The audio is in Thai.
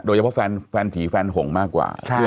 โดยเฉพาะแฟนแฟนผีแฟนห่งมากกว่าใช่